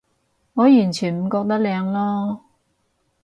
我完全唔覺得靚囉